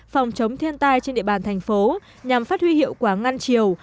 phòng chống thiên tai trên địa bàn thành phố nhằm phát huy hiệu quả ngăn chiều